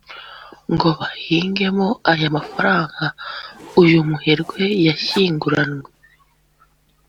ngo bahigemo amafaranga uyu muherwe yashyinguranywe